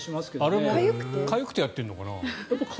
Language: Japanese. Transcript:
あれもかゆくてやってるのかな？